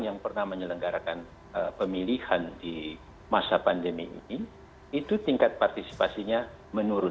yang pernah menyelenggarakan pemilihan di masa pandemi ini itu tingkat partisipasinya menurun